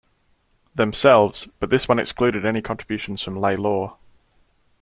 themselves, but this one excluded any contributions from Lay Law.